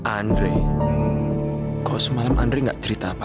andri kok semalam andri gak cerita apa apa ya